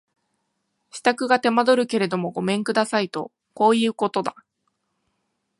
支度が手間取るけれどもごめん下さいとこういうことだ